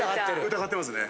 疑ってますね！